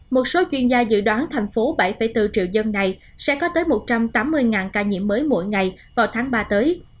một số chuyên gia dự đoán thành phố bảy bốn triệu dân này sẽ có tới một trăm tám mươi ca nhiễm mới mỗi ngày vào tháng ba tới